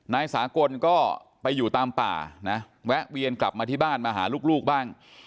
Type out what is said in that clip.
นายสากลก็ไปอยู่ตามป่านะแวะเวียนกลับมาที่บ้านมาหาลูกบ้าง